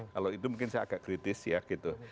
kalau itu mungkin saya agak kritis ya gitu